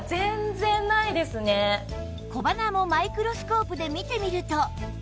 小鼻もマイクロスコープで見てみると